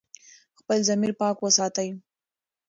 خپل ضمیر پاک وساتئ.